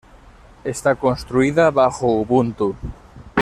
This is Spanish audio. Está construida bajo Ubuntu.